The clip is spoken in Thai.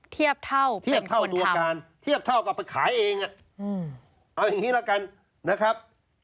เทียบเท่าเป็นคนทำเทียบเท่ากับขายเองอ่ะเอาอย่างนี้แล้วกันนะครับ